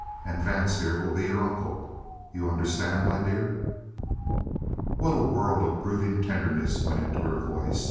"And Vance, here, will be your uncle. You understand, my dear?" What a world of brooding tenderness went into her voice!